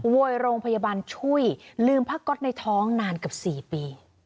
โวยโรงพยาบาลช่วยลืมพระก๊อตในท้องนานเกือบ๔ปี